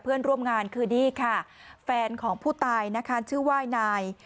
เพื่อนร่วมงานคือนี่ค่ะแฟนของผู้ตายนะคะชื่อว่านาย